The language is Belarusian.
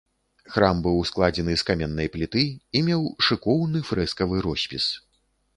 Храм быў складзены з каменнай пліты і меў шыкоўны фрэскавы роспіс.